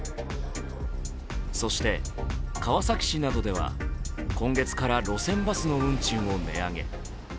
そして川崎市などでは今月から路線バスの運賃を値上げ。